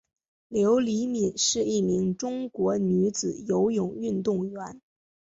刘黎敏是一名中国女子游泳运动员。